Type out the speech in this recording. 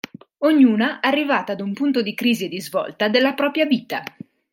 Ognuna arrivata ad un punto di crisi e di svolta della propria vita.